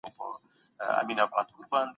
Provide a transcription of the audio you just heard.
آيا هغه بله لار درلوده؟